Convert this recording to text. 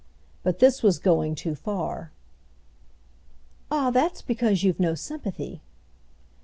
But this was going too far. "Ah that's because you've no sympathy!"